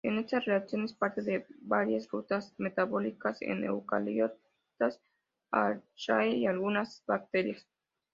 Esta reacción es parte de varias rutas metabólicas en eucariotas, archaea y algunas bacterias.